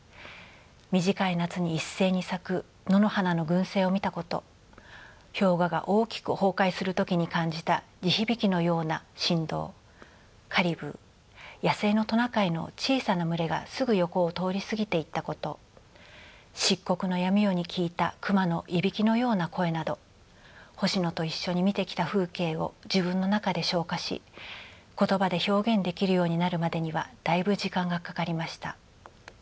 短い夏に一斉に咲く野の花の群生を見たこと氷河が大きく崩壊する時に感じた地響きのような震動カリブー野生のトナカイの小さな群れがすぐ横を通り過ぎていったこと漆黒の闇夜に聞いたクマのいびきのような声など星野と一緒に見てきた風景を自分の中で消化し言葉で表現できるようになるまでにはだいぶ時間がかかりました。